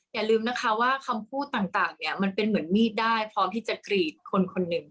อย่าลืมนะคะว่าคำพูดต่างเนี่ยมันเป็นเหมือนมีดได้พร้อมที่จะกรีดคนคนหนึ่ง